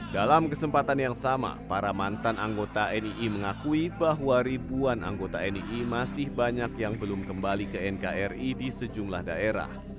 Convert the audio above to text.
dalam kesempatan yang sama para mantan anggota nii mengakui bahwa ribuan anggota nii masih banyak yang belum kembali ke nkri di sejumlah daerah